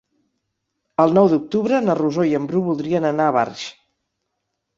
El nou d'octubre na Rosó i en Bru voldrien anar a Barx.